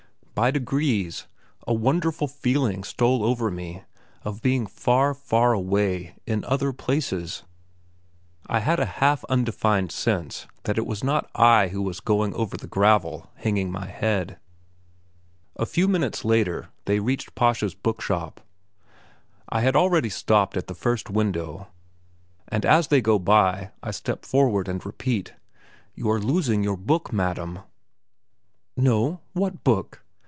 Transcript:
By degrees, a wonderful feeling stole over me of being far, far away in other places; I had a half undefined sense that it was not I who was going along over the gravel hanging my head. A few minutes later, they reached Pascha's bookshop. I had already stopped at the first window, and as they go by I step forward and repeat: "You are losing your book, madam!" "No; what book?"